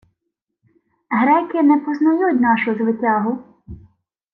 — Греки не познають нашу звитягу.